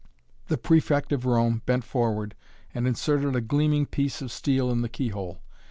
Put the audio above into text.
The Prefect of Rome bent forward and inserted a gleaming piece of steel in the keyhole.